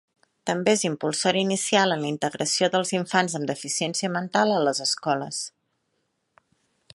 També és impulsora inicial en la integració dels infants amb deficiència mental a les escoles.